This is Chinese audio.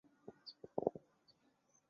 普拉迪耶尔。